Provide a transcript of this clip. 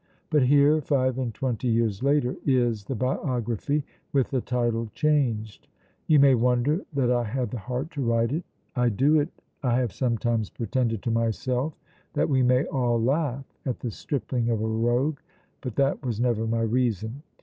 But here, five and twenty years later, is the biography, with the title changed. You may wonder that I had the heart to write it. I do it, I have sometimes pretended to myself, that we may all laugh at the stripling of a rogue, but that was never my reason.